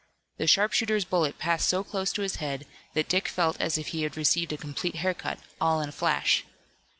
The sharpshooter's bullet passed so close to his head that Dick felt as if he had received a complete hair cut, all in a flash.